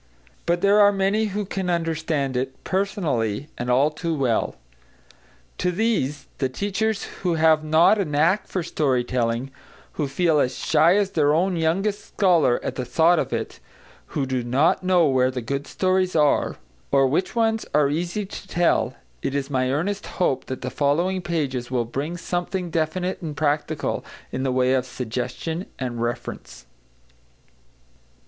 But there are many who can understand it, personally and all too well. To these, the teachers who have not a knack for story telling, who feel as shy as their own youngest scholar at the thought of it, who do not know where the good stories are, or which ones are easy to tell, it is my earnest hope that the following pages will bring something definite and practical in the way of suggestion and reference.